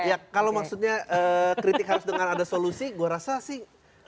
ya kalau maksudnya kritik harus dengan ada solusi gue rasa sih